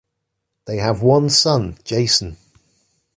They have one son Jason.